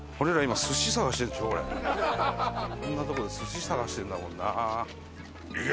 こんなとこで寿司探してるんだもんな。